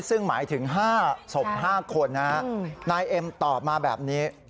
ซึ่งหมายถึง๕ศพ๕คนนายเอ็มตอบมาแบบนี้